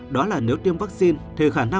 đó là nếu tiêm vaccine